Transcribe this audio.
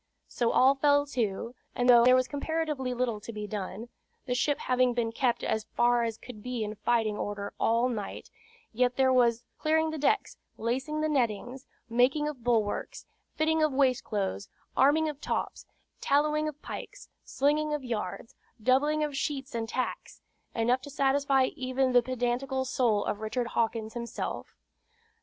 So all fell to; and though there was comparatively little to be done, the ship having been kept as far as could be in fighting order all night, yet there was "clearing the decks, lacing the nettings, making of bulwarks, fitting of waist cloths, arming of tops, tallowing of pikes, slinging of yards, doubling of sheets and tacks," enough to satisfy even the pedantical soul of Richard Hawkins himself.